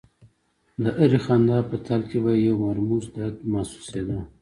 د هرې خندا په تل کې به یې یو مرموز درد محسوسېده